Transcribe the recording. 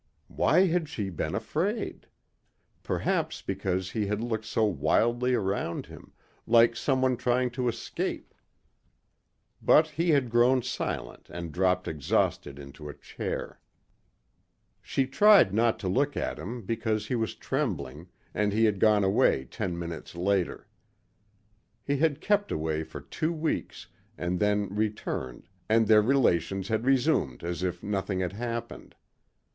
Why had she been afraid? Perhaps because he had looked so wildly around him, like someone trying to escape. But he had grown silent and dropped exhausted into a chair. She tried not to look at him because he was trembling and he had gone away ten minutes later. He had kept away for two weeks and then returned and their relations had resumed as if nothing had happened.